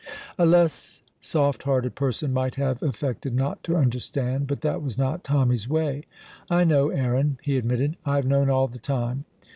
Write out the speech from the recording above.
A less soft hearted person might have affected not to understand, but that was not Tommy's way. "I know, Aaron," he admitted. "I have known all the time."